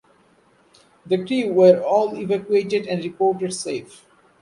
The crew were all evacuated and reported safe.